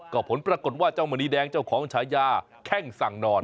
ก็ผลปรากฏว่าเจ้ามณีแดงเจ้าของฉายาแข้งสั่งนอน